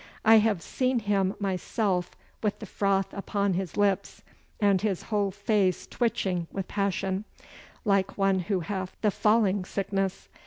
I have seen him myself with the froth upon his lips and his whole face twitching with passion, like one who hath the falling sickness.